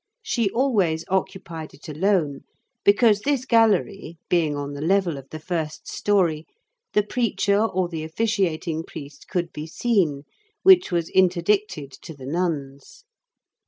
She always occupied it alone because this gallery, being on the level of the first story, the preacher or the officiating priest could be seen, which was interdicted to the nuns.